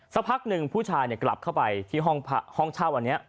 สักพักหนึ่งผู้ชายกลับเข้าไปที่ห้องเช่าอันนี้